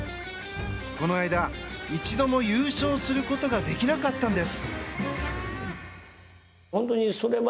この間、一度も優勝することができなかったんです。